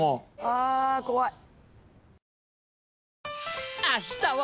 あ怖い。